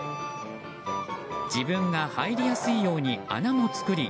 自分が入りやすいように穴も作り